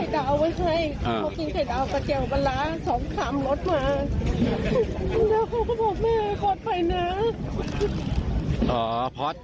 เดี๋ยวเขาก็บอกแม่บอสไปนะ